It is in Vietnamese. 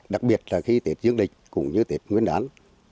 đặc biệt là khi tiệc dương địch cũng như tiệc nguyên đán